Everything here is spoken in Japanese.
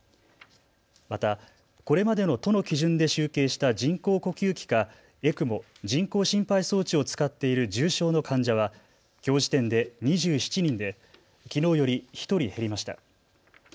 また、これまでの都の基準で集計した人工呼吸器かＥＣＭＯ・人工心肺装置を使っている重症の患者はきょう時点で２７人できのうより１人減りました。